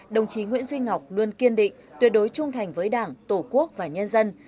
đồng chí nguyễn duy ngọc luôn kiên định tuyệt đối trung thành với đảng tổ quốc và nhân dân